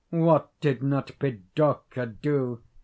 What did not Pirdorka do?